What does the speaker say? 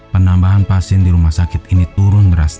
penambahan pasien di rumah sakit ini turun drastis